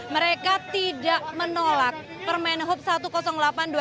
mereka tidak menolak permen hub no satu ratus delapan tahun dua ribu tujuh belas